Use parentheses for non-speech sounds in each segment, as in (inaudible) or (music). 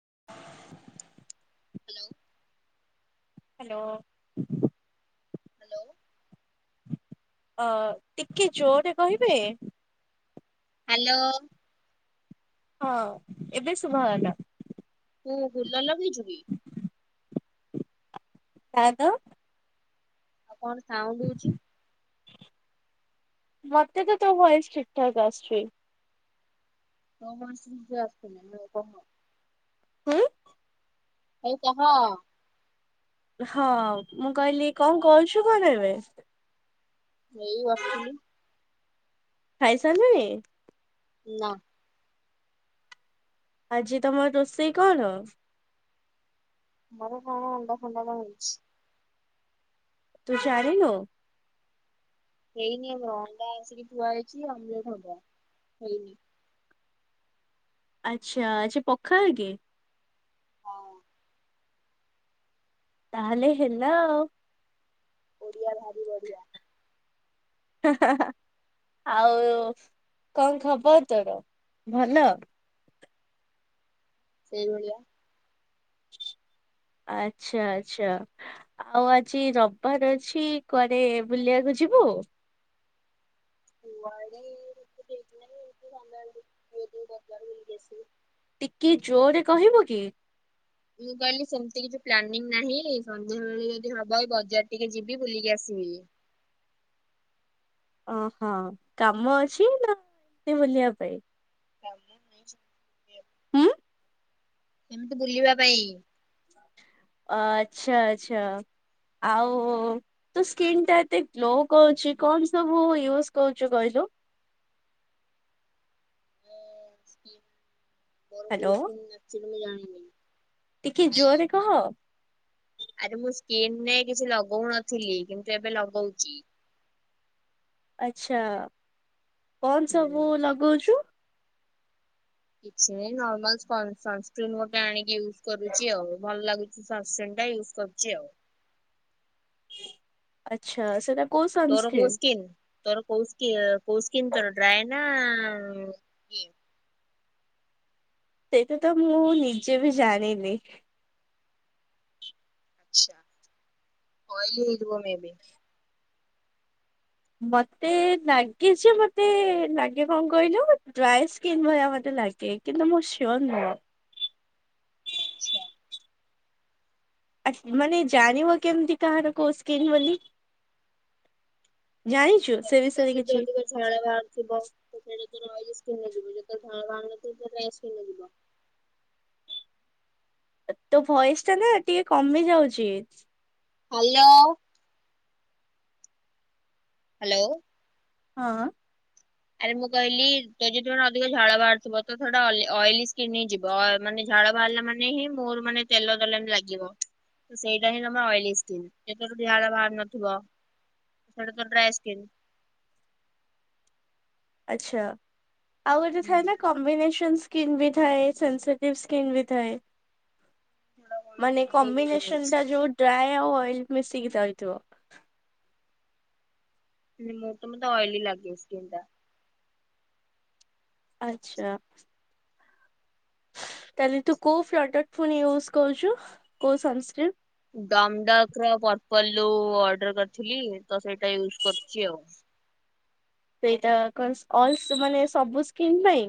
(unintelligible) Hello. Hello. Hello. ଅ ଟିକେ ଜୋରେ କହିବେ? ହାଲୋ। ହଁ ଏବେ ଶୁଭା ଗଲା। ତୁ ହୁଲ ଲଗେଇଚୁ କି? ନା ତ। ଆଉ କଣ ସ୍ ସାଉଣ୍ଡ ହଉଚି। ମତେ ତ ତୋ ଭଏସ୍ ଠିକ୍ ଠାକ୍ ଅସ୍ ଚି ନଅ ମାସ (unintelligible) ନା କଅ? ହୁଁ। ହଉ କହଅ। ହଅ ମୁଁ କହିଲି କଣ କଉଛୁ କଣ ଏବେ? ଏଇ ବସିଥିଲି। ଖାଇ ସରିଲୁନି। ନା। ଆଜି ତମର ରୋଷେଇ କଣ? ମର କଣ ଅଣ୍ଡା ଣ୍ଡା କ ହେଇଛି। ତୁ ଜାନିନୁ। ହେଇନିମ ଅଣ୍ଡା ଆସିକି ପୁଆଯାଇଛି ଅମ ହବ ହେଇନି। ଆଚଛା ଆଛ ପଖାଳ କି? ହଁ ତାହଲେ ହେଲା ଆଉ ଓଡିଆ ଭାରି ବଢିଆ ଆଉ କଣ ଖବର ତୋର ଭଲ? ସେଇିଭଳିଆ ଆଚ୍ଛା ଆଚ୍ଛା ଆଉ ଆଜି ରବିବାର ଅଛି କୁଆରେେ ବୁଲିବାକୁ ଯିବୁ? ହୁଆ ବ ବିଛି (unintelligible) ଟିକେ ଜୋରରେ କହିବୁ କି? ମୁଁ କହିଲି ସେମିତି କିଛି ପ୍ଲାନିଂ ନାହିଁ ସନ୍ଧ୍ୟାବେଳେ ଯଦି ହବ ବଜାର ଟିକେ ଯିବି ବୁଲିକି ଆସିବି। ଓହଁ କାମ ଅଛି ନା ଏମତି ବୁଲିବା ପାଇଁ? କାମ ନାହିଁ ସେମିତି। ଏମିତି ବୁଲିବା ପାଇଁ। ଆଛା ଆଛା। ଆଉ ତ ସ୍କିନ୍ ଟା ଏତେ ଗ୍ଲୋ କରୁଛି କଣ ସବୁ ୟୁଜ କରୁଛୁ କହିଲୁ? ମୁଁ ସ୍କପ (unintelligible) ବଡ଼ ହ୍ୟାଲୋ କୌନ ନା (unintelligible) ଯାଣ ପ (unintelligible) ଟିକେ ଜୋରରେ କହ ଆରେ ମୁଁ ସ୍କିନରେ କିଛି ଲଗଉନଥିଲି କିନ୍ତୁ ଏବେ ଲଗଉଛି। ଆଛା। କଣ ହୁଁ ସବୁ ଲଗଉଛୁ? କିଛି ନାହିଁ ନର୍ମାଲ ସନକ୍ରନ୍ ଗୋଟେ ଆଣିକି ୟୁଜ କରୁଛି ଆଉ ଭଲ ଲାଗୁଛି ସନ୍ସ୍କିରିନ୍ ଟା ୟୁଜ କରୁଛି ଆଉ। ଆଚ୍ଛା ସେଟା କୋଉ ତୋର ସନସ୍କ୍ରିନ୍? କୋସ୍କିିନ ତୋର କକ କଉସ୍କିିନ ତୋର ଡ୍ରାଏ ନା ନା (unintelligible) ସେଇଟା ତ ମୁଁ ନିଜେ ବି ଜାଣିନି ଆଛାଲି ହିୁ ମ ବି (unintelligible) ମତେ ଲାଗେ ଯେ ମତେ ଲାଗେ କଣ କହିଲୁ ଡ୍ରାଇ ସ୍କିନ୍ ଭଳିଆ ମତେ ଲାଗେ କିନ୍ତୁ ମୁଁ ସିୟୋର ନୁହଁ। ଆଛା। ଆ ମାନେ ଜାଣିବ କେମିତି କାହାର କୋଉ ସ୍କନ୍ ବୋଲି ଜାଣିଛୁ ସେ ତ ବିଷୟରେ ଯଦି କିଛି ଅଧ ଶଳ ବାରଛି ବା ତ (unintelligible) ଯେତେ ଧ ବା (unintelligible) ତୋ ଭଏସ ଟା ନା ଟିକେ କମି ଯାଉଚି। ହାଲୋ। ହାଲୋ। ହଁ। ଆରେ ମୁଁ କହିଲି ତ ଯଦ ତମେ ଅଧିକ ଝାଳ ବାହାରୁଥିବ ତ ଟା ଅଏଲି ସ୍କିନ୍ ହିଁ ଯିବ ମାନେ ଝାଳ ବାହାରିଲା ମାନେ ହିଁ ମୋର ମାନେ ତେଲ ଦେଲେଣି ଲାଗିବ ତ ସେଇଟା ହିଁ ତମର ଅଏଲି ସ୍କିନ୍ ଯେତେବେ ଝାଳ ବାହହାର ନଥିବ ସେଟା ତ ଡ୍ରାଏ ସ୍କନ୍। ଆଛା। ଆଉ ଗୋଟେ ହୁଁ। ଥାଏ ନା କମ୍ବିନେସନ ସ୍କିିନ ବି ଥାଏ ସେସଟିଭ ସ୍କିିନ ବି ଥାଏ। ମାନେ କମ୍ବିନେସନ ଟା ଯୋଉ ଡ୍ରାଏ ଆଉ ଅଏଲ ମିଶିକି ଯାଇଥିବ ମୋ ମୋତେ ଅଏଲି ଲାଗେ ସ୍କିନ ଟା। ଆଛା। ତାହେଲେ ତୁ କୋଉ ପ୍ରଡକ୍ଟ ଫୁଣି ୟୁଜ କରୁଛୁ କୋଉ ସନସ୍କ୍ରିନ୍? ଡମଡକ ର ପର୍ପଲ ର ଅର୍ଡର କରିଥିଲି ତ ସେଇଟା ୟୁଜ୍ କରୁଛି ଆଉ। ସେଇଟା ମାନେ ସବୁ ସ୍କିନ୍ ପାଇଁ?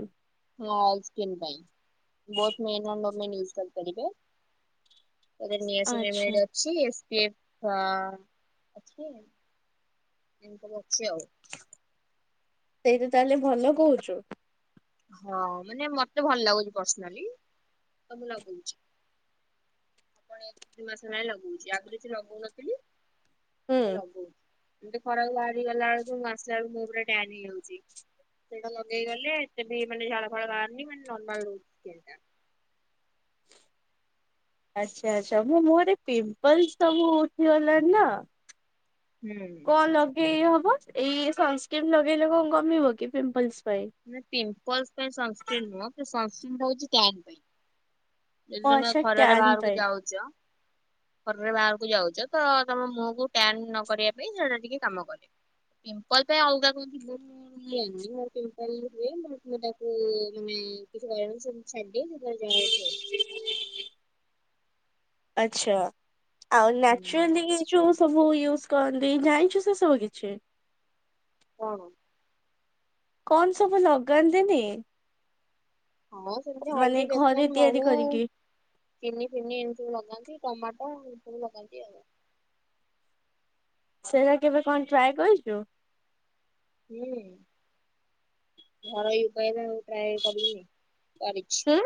ଅଏଲ ସ୍କିନ୍ ପାଇଁ ଵୋଥ ମେନ ଔର ଓମେନ୍ ଇଉସ କରିପାରିବେ। ଏଥିରେ ଆଚ୍ଛା। ନିଆସିନେମାଇଡ ଅଛି। ଅଛି ଏତି ସବୁ ଅଛି ଆଉ। ସେଇଟା ତାହେଲେ ଭଲ କହୁଛୁ? ହଁ ମାନେ ମତେ ଭଲ ଲାଗୁଛି ପର୍ସନାଲି ତ ମୁ ଲଗଉଛି। ଏ ଦି ମାସ ହେଲା ଲଗଉଛି ଆଗରୁ ଲଗଉନଥିଲି ହୁଁ। ଏଵେ ଲଗଉଚି। ଏମିତି ଖରାକୁ ବାହାରି ଗଲା ବେଳକୁ ଆସିଲା ବେଳକୁ ମୁହଁ ପୁରା ଟାନ୍ ହେଇଯାଉଛି। ସେଟା ଲଗେଇଗଲେ ଏତେ ବି ମାନେ ଝାଳ ଫାଳ ବାହାରନି ମାନେ ନର୍ମାଲ ରହୁଛି ସ୍କିନ୍ ଟା। ଆଚ୍ଛା ଆଚ୍ଛା। ମୁଁ ମୋ ମୁହଁ ପିମ୍ପଲସ ସବୁ ଉଠିଗଲାଣି ନା ହୁଁ କଣ ଲଗେଇବି? ଏଇ ସନ୍ସ୍କ୍ରିନ୍ ଲଗେଇଲେ କଣ କମିବ କି ପିମ୍ପଲ୍ସ? ମାନେ ପିମ୍ପଲସ ପାଇଁ ସନସ୍କ୍ରି ନ୍ନୁହ କି ସନସ୍କ୍ରିନ୍ ହଉଛି ଟାନ ପାଇଁ। ଓ ଯଦି ତମେ ଆଚ୍ଛା ଖରାରେ ଟ୍ୟାନ୍ ବାହାରକୁ ପାଇଁ ଯାଉଛ ଖରାରେ ବାହାରକୁ ଯାଉଛ ତ ତମ ମୁହକୁ ଟାନ ନକରିବା ପାଇଁ ସେଟା ଟିକେ କାମ କରେ ପିମ୍ପଲ ପାଇଁ ଅଲଗା କୁ ତାକୁ ତମେ କିଛି କହିବନାହିଁ ସେମିତି ଛାଡିଦିଅ ସେତାର ଯାହେଉ ଛି ହେଉ। ଆଚ୍ଛା। ଆଉ ନ୍ୟଚୁରାଲି ହୁଁ ଯୋଉ ସବୁ ୟୁଜ କରନ୍ତି ଜାଣିଛୁ ସେ ସବୁ କିଛି? ହଁ। କଣ ସବୁ ଲଗାନ୍ତିନି ହଁ ସେମିତି ମାନେ ହଳଦୀ ଘରେ ବେସନ ତିଆରି ମହୁ କରିକି? ଚିନି ଫିନି ଏମି ସବୁ ଲଗାନ୍ତି ଟମାଟୋ ହ ଲାଗନ୍ତି ଆଉ ସେଇଟା କେବେ କଣ ଟ୍ରାଏ କରିଛୁ? ହୁଁ ଘରୋଇ ଉପାୟ ଟ୍ରାଇ କରିଵି। କରିଛି। ହୁଁ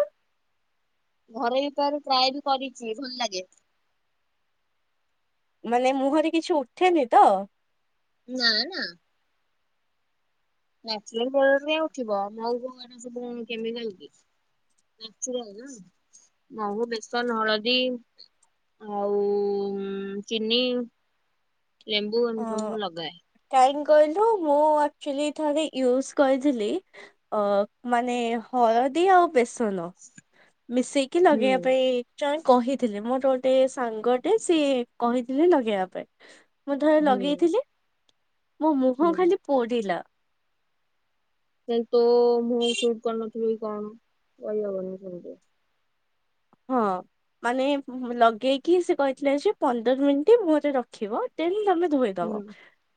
ଘରେ ଵି ଥରେ ଟ୍ରାଇ ବି କରିଛି ଭଲ ଲାଗେ। ମାନେ ମୁହଁରେ କିଛି ଉଠେନି ତ? ନା ନା। ନ୍ୟାଚୁରାଲ୍ ଉଠିବ ମହୁ ଫହୁ ସବୁ କେମିକାଲ କିନ୍ୟାଚୁରାଲ୍ନ ନା ମହୁ ବେସନ ହଳଦୀ ଆଉ ଚିନି। ଲେମ୍ବୁ ଏମିତି ହଁ ସବୁ ଲଗାଏ। କାହିଁ କହିଲୁ ମୁଁ ଅକ୍ଚ୍ୟାଲି ଥରେ ୟୁଜ କରିଥିଲି ଅ ମାନେ ହଳଦୀ ଆଉ ବେସ ମିଶେଇକି ହୁଁ ଲଗେଇବା ପାଇଁ (unintelligible) କହିଥିଲେ ମୋର ଗୋଟେ ସାଙ୍ଗଟେ ସିଏ କହିଥିଲେ ଲଗେଇବା ପାଇଁ। ମୁଁ ଥରେ ହୁଁ ଲଗେଇଥିଲି। ମୋ ମୁହଁ ହୁଁ। ଖାଲି ପୋଡିଲା। ତୋ ମୁହଁ କୁ ଶୁଟ୍ କରୁ ନଥିବ କି କଣ କହିହବନି ସେମିତି। ହଁ ମାନେ ଲଗେଇକି ସେ କହିଥିଲେ ଯେ ପନ୍ଦର ମିନିଟ୍ ମୁହଁରେ ରଖିବ ଦେନ୍ ତମେ ଧୋଇଦବ ହୁଁ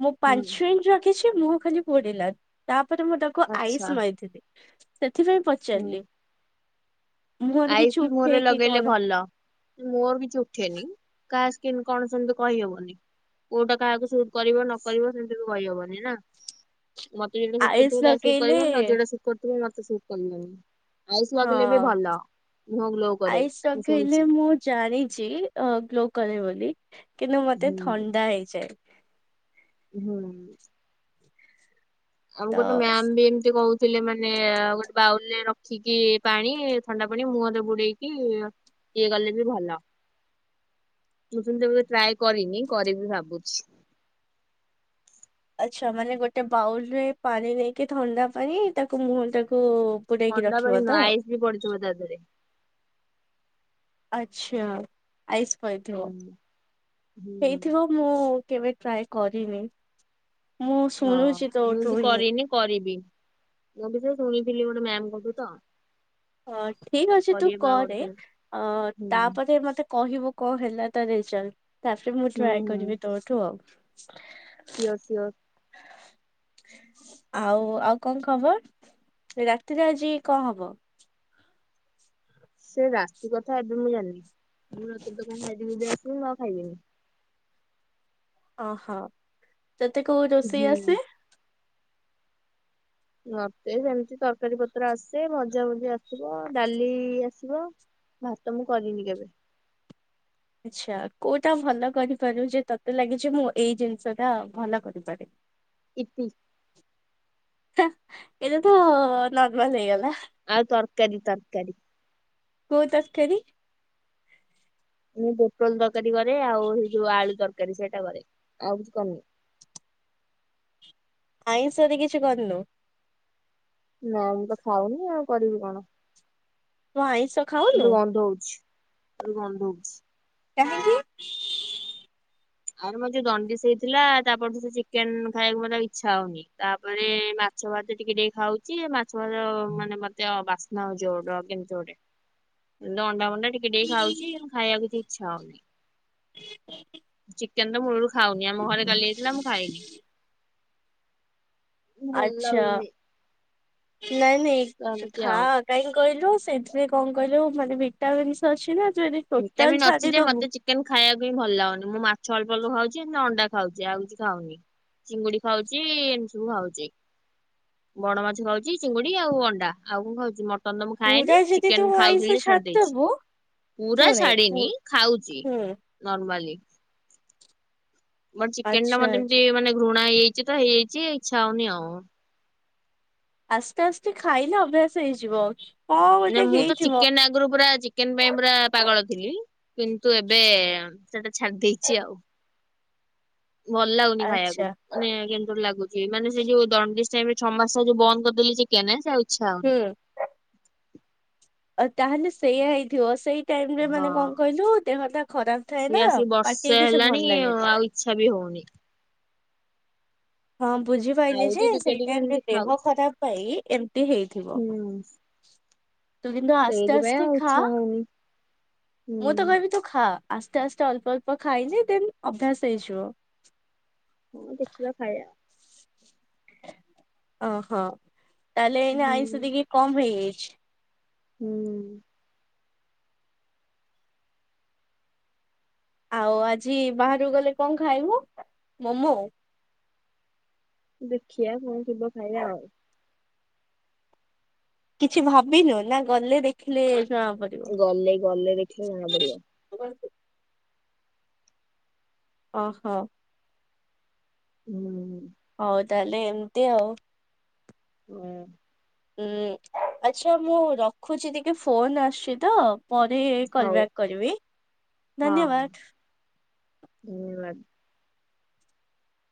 ମୁଁ ହୁଁ ପାଞ୍ଚ ମିନିଟ୍ ରଖିଛି ମୁହଁ ଖାଲି ପଡିଲା ତା ତାପରେ ମୁଁ ତାକୁ ଆଇସ୍ ଆଚ୍ଛା ମାରିଥିଲି। ସେଥିପାଇଁ ହୁଁ। ପଚାରିଲି? ମୁଁହଁରେ କିଛି ମୁଁହରେ ଉଠେଇକି ଲଗେଇଲେ କଣ ଭଲ ମୋର କିଛି ଉଠେନି। କାସ ସ୍କିନ କଣ ସେମିତି କହିହବନି କୋଉଟା କାହାକୁ ଶୁଟ୍ କରିବ ନକରିବ ସେମିତି ବି କହିହବନି ନା? ମତେ ଯୋଉଟା ଶୁଟ୍ ଆଇସ୍ କରୁଥିବ (unintelligible) ଶୁଟ୍ ଲଗେଇଲେ କରିବନି। ତତେ ଯୋଉଟା ଶୁଟ୍ ତୁମେ ମତେ ସୁଟ୍ (unintelligible) ଆଇସ୍ ଲଗେଇଲେ ବି ଭଲ। ମୁହଁ ଗ୍ଲୋ କରେ ଆଇସ ମୁଁ ଲଗେଇଲେ ଶୁଣିଚି। ମୁଁ ଜାଣିଚି ଗ୍ଲୋ କ ବୋଲି। କିନ୍ତୁ ମତେ ହୁଁ ଥଣ୍ଡା ହେଇଯାଏ। ହୁଁ ତ ଆମ ଗୋଟେ ମ୍ୟାମ ବି ଏମିତି କହୁ ଥିଲେ ମାନେ ଗୋଟେ ବାଉଲରେ ରଖିକି ପାଣି ଥଣ୍ଡା ପାଣି ମୁହଁରେ ବୁଡେଇକି ଇଏ ଗଲେ ବି ଭଲ। ମୁଁ ସେମିତିକେବେ ଟ୍ରାଏ କରିନି କରିିବି ଭାବୁଛି। ଆଛା ମାନେ ଗୋଟେ ବାଉଲ ରେ ପାଣି ନେଇକି ଥଣ୍ଡା ପାଣି ତାକୁ ମୁହଁଟାକୁ ଥଣ୍ଡା ପାଣି ନୁହଁ ଆଇସ୍ ବି ପଡିଥିବ ତା ଦେହରେ। ଆଛା। ଆଇସ୍ ପଡ଼ିଥିବ, ହୁଁ ହୁଁ ହେଇଥିବ ମୁଁ କେବେ ଟ୍ରାଏ କରିନି। ମୁଁ ହଁ ଶୁଣୁଛି ମୁଁ ତୋଠୁ ବି ହିଁ କରିନି କରିବି। ମୁଁ ବି ସେଇ ଶୁଣିଥିଲି ଗୋଟେ ମ୍ୟାମ କଠୁ ତ। ହଁ ଠିକ ଅଛି ତୁ କରିବା ବା କରେ ଗୋଟେ ଦିନ। ଅ ହୁଁ ତାପରେ ମତେ କହିବୁ କ ହେଲା ତା ରେଜଲ୍ଟ? ତାପରେ ମୁଁ ହୁଁ ଟ୍ରାଏ ହୁଁ କରିବି ତୋଠୁ ଆଉ ସିଓର ସିଓର ଆଉ ଆଉ କଣ ଖବର, ରାତିରେ ଆଜି କଣ ହବ? ସେ ରାତି କଥା ଏବେ ମୁଁ ଜାଣିନି। ମୁଁ ରାତିରେ ତ କଣ ଖାଇଦେବି ଆସିବି ମୁଁ ଆଉ ଖାଇବିନି। ଅ ହୋ ତତେ କୋଉ ରୋଷେଇ ହୁଁ। ଆସେ? ମତେ ସେମିତି ତରକାରୀ ପତ୍ର ଆସେ ଭଜା ଭୁଜି ଆସିବ ଡାଲି ଆସିବ ଭାତ ମୁଁ କରିନି କେବେ। ଆଛା କୋଉଟା ଭଲ କରିପାରିବୁ ଯେ ତତେ ଲାଗୁଛି ମୁଁ ଏଇ ଜିନିଷ ଟା ଭଲ କରିପାରିବି? ଇପି। ଏଇଟା ତ ନର୍ମାଲ ହେଇଗଲା। ଆଉ ତରକାରୀ ତରକାରୀ କୋଉ ତରକାରୀ? ମୁଁ ପୋଟଳ ତରକାରୀ କରେ ଆଉ ସେଇ ଯୋଉ ଆଳୁ ତରକାରୀ ସେଇଟା କରେ ଆଉ କିଛି କରିନି। ଆଇଁଷ ରେ କିଛି କରିନୁ? ନା ମୁଁ ତ ଖାଉନି ଆଉ କରିବି କଣ? ତୁ ଆଇଁଷ ଖାଉନୁ ମତେ ଗନ୍ଧଉଛି ଗନ୍ଧଉଛି। କାହିଁକିି? ଆରେ ମୋତେ ଦଣ୍ଡିସ୍ ହେଇଥିଲା ତାପରଠୁ ତ ଚିକେନ ଖାଇବାକୁ ମତେ ଇଚ୍ଛା ହଉନି ତାପରେ ମାଛ ଫାଛ ଟିକେ ଟିକେ ଖାଉଚି ମାଛ ଫାଛ ମାନେ ମତେ ବାସ୍ନା ହଉଚି ଅଡୁଆ କେମିତି ଗୋଟେ ଅଣ୍ଡା ଫଣ୍ଡା ଟିକେ ଟିକେ ଖାଉଚି ଖାଇବାକୁ କିଛି ଇଚ୍ଛା ହଉନି। ଚିକେନ ତ ମୂଳରୁ ଖାଉନି ଆମ ଘରେ କାଲି ହେଇଥିଲା ମୁଁ ଖାଇନି। ଭଲ ଆଚ୍ଛା ଲାଗୁନି ନାଇଁ ନାଇଁ ତ ଏମିତି ଖା ଆଉ। କାଇଁ କଇଲୁ? ସେଥିରେ କଣ କହିଲୁ ମାନେ ଭିଟାମିନସ୍ ଅଛି ନା ତୁ ଯଦି ଟୋଟାଲ ଭିଟାମିନ୍ ଅଛି ଯେ ଛାଡିଦବୁ ମତେ ଚିକେନ ଖାଇବାକୁ ହିଁ ଭଲ ଲାଗୁନି ମୁଁ ମାଛ ଫଲ୍ ଫଲ୍ ଖାଉଚି ଏମିତି ଅଣ୍ଡା ଖାଉଚି ଆଉ କିଛି ଖାଉନି ଚିଙ୍ଗୁଡି ଖାଉଚୁ ଏମତି ସବୁ ଖାଉଚି ବଡମାଛ ଖାଉଚି ଚିଙ୍ଗୁଡି ଆଉ ଅଣ୍ଡା ଆଉ କଣ ଖାଉଚି ମ ପୁରା ଯଦି ତୁ ଆଇଁଷ ଦେଇଛି। ଛାଡ଼ିଦବୁ ପୁରା ଛାଡିନି ଖାଉଚି ନର୍ ମାଲି। ବଟ୍ ଚିକେନ ଟା ଆଚ୍ଛା ମତେ ଆଚ୍ଛା। ଏମତି ମାନେ ଘୃ ନାଇଁ ହେଇଚି ତ ହେଇଯାଇଚି ଇଚ୍ଛା ହଉନି ଆଉ। ଆସ୍ତେ ଆସ୍ତେ ଖାଇଲେ ଅଭ୍ୟାସ ହେଇଯିବ। କଣ ନାଇଁ ଗୋଟେ ମୁଁ ତ ହେଇଥିବ। ଚିକେନ ଆଗରୁ ପୁରା ଚିକେନ ପାଇଁ ପୁରା ପାଗଳ ଥିଲି କିନ୍ତୁ ଏବେ ସେଟା ଛାଡି ଦେଇଚି ଆଉ। ଭଲ ଲାଗୁନି ଖାଇବାକୁ ଆଚ୍ଛା ମାନେ କେମିତି ଗୋଟେ ଲାଗୁଚି ମାନେ ସେ ଯୋଉ ଦଣ୍ଡିସ୍ ସେବି ଛଅ ମାସ ଯୋଉ ବନ୍ଦ କରିଦେଲି ଚିକେନ୍ ସେ ଆଉ ଇଛା ହୁଁ। ହଉନି। ଆଉ ତାହେଲେ ସେୟା ହେଇଥିବ ସେଇ ଟାଇମ୍ ରେ ହଁ ମାନେ କଣ କଇଲୁ ଦେହ ଟା ଖରାପ ଥାଏ ସିଏ ନା ଆସିକି ପାଟିି କି ବର୍ଷେ କିଛି ହେଲାଣି ଭଲ ଲାଗେନି। ଆଉ ଇଚ୍ଛା ବି ହଉନି। ହଁ ବୁଝିପାଇଲି ଯେ ଖାଉଛି ଟିକେ ସେଇ ଟିକେ ଟାଇମ୍ ରେ ଏମିତି ଦେହ ଖାଉଛି ଖରାପ ପାଇଁ ଏମିତି ହେଇଥିବ। ହୁଁ ତୁ କିନ୍ତୁ ଆସ୍ତେ ସେଇଥିପାଇଁ ଆସ୍ତେ ଆଉ ଖା ଇଚ୍ଛା ହଉନି। ମୁଁ ତ ହୁଁ କହିବି ତୁ ଖା। ଆସ୍ତେ ଆସ୍ତେ ଅଳ୍ପ ଅଳ୍ପ ଖାଇଲେ ଦେନ୍ ଅଭ୍ୟାସ ହେଇଯିବ। ହଁ ଦେଖିବା ଖାଇବା ଓହୋ। ତାହେଲେ ଏଇନା ହୁଁ ଆଇଁଷ ଟିକେ କମ୍ ହେଇଯାଇ ହୁଁ। ଆଉ ଆଜି ବାହହାରକୁ ଗଲେ କଣ ଖାଇବ ମୋମୋ? ଦେଖିଆ କଣ ଥିବ ଖାଇଆ ଆଉ। କିଛି ଭାବିନୁ ନା ଗଲେ ଦେଖିଲେ ଜଣା ପଡିବ। ଗଲେ ଗଲେ ଦେଖିଲେ ଜଣା ପଡିବ। ଓହୋ। ହୁଁ। ହଉ ତାହେଲେ ଏମିତି ଆଉ। ହୁଁ। ଉୁଁ ଆଚ୍ଛା ମୁଁ ରଖୁଛି ଟିକେ ଫୋନ ଆସୁଛି ତ-ଅ-ଅ ପରେ କଲ ହଉ ବ୍ୟାକ୍ କରିବି ହଁ ହଁ ଧନ୍ୟବାଦ। ଧନ୍ୟବାଦ